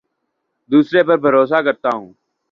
دوسروں پر بھروسہ کرتا ہوں